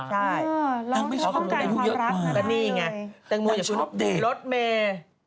ตั้งม่วงแยกเปาหมูแถมรถเมย์